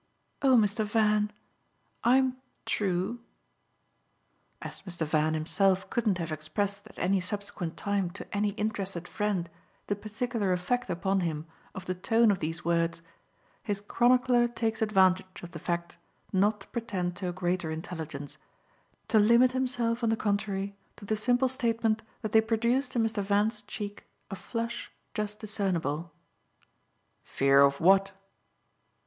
"Oh Mr. Van, I'm 'true'!" As Mr. Van himself couldn't have expressed at any subsequent time to any interested friend the particular effect upon him of the tone of these words his chronicler takes advantage of the fact not to pretend to a greater intelligence to limit himself on the contrary to the simple statement that they produced in Mr. Van's cheek a flush just discernible. "Fear of what?"